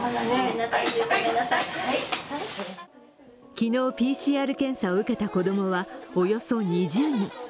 昨日ＰＣＲ検査を受けた子供は、およそ２０人。